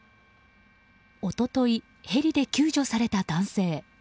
一昨日ヘリで救助された男性。